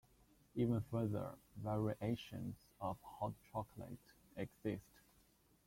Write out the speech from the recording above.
Even further variations of hot chocolate exist.